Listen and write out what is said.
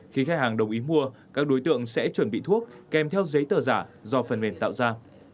khi khách hàng đồng ý mua các đối tượng sẽ chuẩn bị thuốc kèm theo giấy tờ giả do phần mềm tạo ra